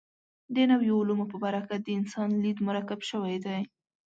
د نویو علومو په برکت د انسان لید مرکب شوی دی.